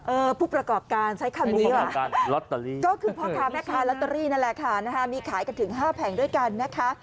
ผู้ประกอบการใช้คำนี้เหรอก็คือพ่อค้าแม่ค้าลอตเตอรี่นั่นแหละค่ะนะคะมีขายกันถึงห้าแผงด้วยกันนะคะ